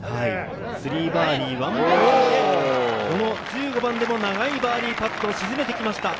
３バーディー、１ボギーで１５番でも長いバーディーパットを沈めてきました。